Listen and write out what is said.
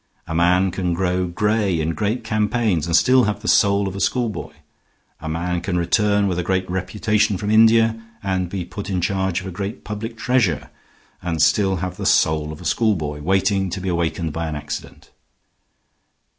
A man can grow gray in great campaigns, and still have the soul of a schoolboy. A man can return with a great reputation from India and be put in charge of a great public treasure, and still have the soul of a schoolboy, waiting to be awakened by an accident.